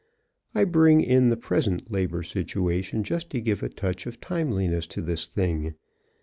I bring in the present labor situation just to give a touch of timeliness to this thing.